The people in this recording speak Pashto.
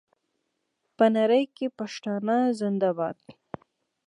په نړۍ کې پښتانه زنده باد.